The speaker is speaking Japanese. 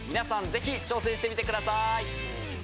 ぜひ挑戦してみてください。